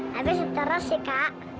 tapi seterusnya kak